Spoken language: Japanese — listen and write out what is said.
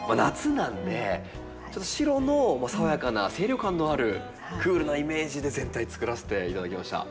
なんで白の爽やかな清涼感のあるクールなイメージで全体作らせて頂きました。